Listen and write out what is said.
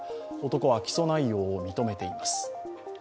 男は起訴内容を認めています。